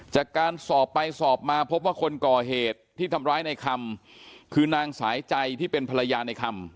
จากการสอบไปสอบมาพบว่าคนก่อเหตุที่ทำร้ายในคำคือนางสายใจที่เป็นภรรยาในคำ